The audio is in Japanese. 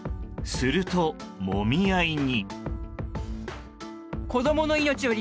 すると、もみ合いに。